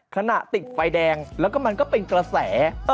ขณะติดไฟแดงแล้วก็มันก็เป็นกระแส